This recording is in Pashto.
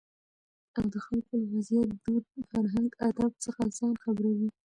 او دخلکو له وضعيت، دود، فرهنګ اداب څخه ځان خبروي.